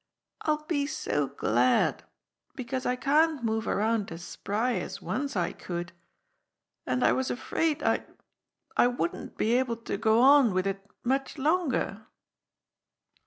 "I'll be so glad, because I can't move around as spry as once I could. And I was afraid I'd I wouldn't be able to go on with it much longer."